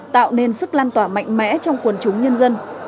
tạo nên sức lan tỏa mạnh mẽ trong quần chúng nhân dân